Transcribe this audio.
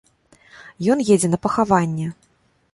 Ён едзе на пахаванне.